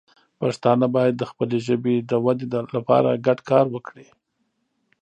پښتانه باید د خپلې ژبې د وده لپاره ګډ کار وکړي.